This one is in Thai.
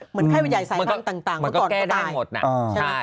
เหมือนแค่ไว้ใหญ่สายข้างต่างเพราะก่อนก็ตาย